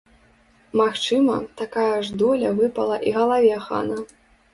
Магчыма, такая ж доля выпала і галаве хана.